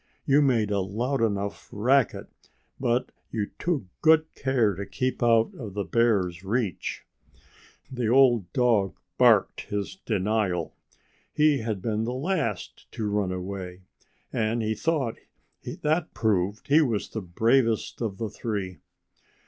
"You made a loud enough racket; but you took good care to keep out of the bear's reach." The old dog barked his denial. He had been the last to run away. And he thought that proved he was the bravest of the three.